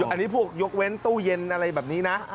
อันนี้พวกยกเว้นตู้เย็นอะไรแบบนี้นะ